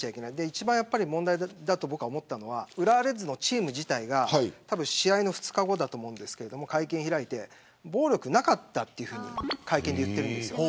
一番問題だと僕が思ったのは浦和レッズのチーム自体が試合の２日後だと思いますが会見を開いて暴力はなかったと言ったんです。